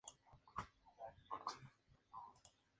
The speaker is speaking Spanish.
Su familia es de ascendencia ucraniana.